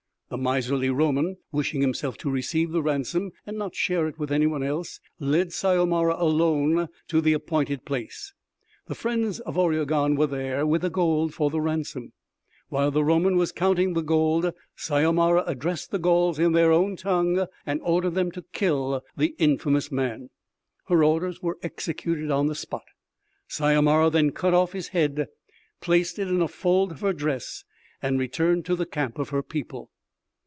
The miserly Roman, wishing himself to receive the ransom and not share it with anyone else, led Syomara alone to the appointed place. The friends of Oriegon were there with the gold for the ransom. While the Roman was counting the gold, Syomara addressed the Gauls in their own tongue and ordered them to kill the infamous man. Her orders were executed on the spot. Syomara then cut off his head, placed it in a fold of her dress and returned to the camp of her people.